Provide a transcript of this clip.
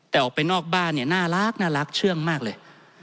แต่ออกไปนอกบ้านเนี่ยน่ารักเชื่องมากเลย